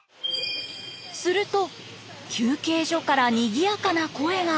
すると休憩所からにぎやかな声が。